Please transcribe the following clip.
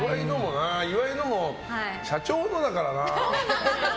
岩井のも社長のだからな。